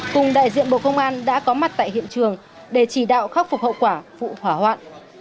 cùng đại diện bộ công an đã có mặt tại hiện trường để chỉ đạo khắc phục hậu quả vụ hỏa hoạn